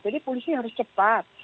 jadi polisi harus cepat